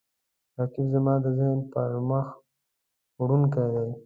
رقیب زما د ذهن پرمخ وړونکی دی